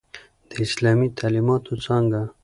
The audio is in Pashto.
د اسلامی تعليماتو څانګه